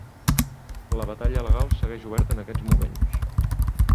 La batalla legal segueix oberta en aquests moments.